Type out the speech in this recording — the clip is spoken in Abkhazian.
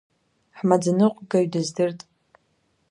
Ҳмаӡаныҟәгаҩ дыздырт…